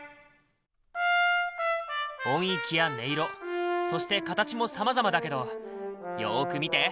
音域や音色そして形もさまざまだけどよく見て。